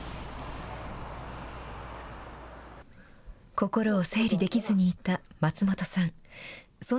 心を整理できずにいた松本さん。